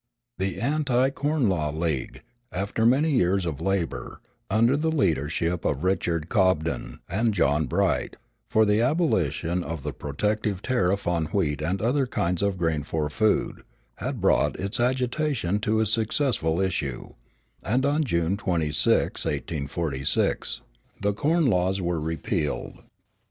The Anti corn Law League, after many years of labor, under the leadership of Richard Cobden and John Bright, for the abolition of the protective tariff on wheat and other kinds of grain for food, had brought its agitation to a successful issue; and on June 26, 1846, the Corn Laws were repealed.